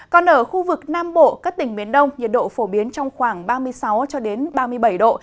còn ở khu vực nam bộ các tỉnh miền đông nhiệt độ phổ biến trong khoảng ba mươi sáu ba mươi bảy độ